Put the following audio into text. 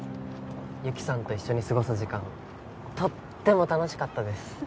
雪さんと一緒に過ごす時間とっても楽しかったです。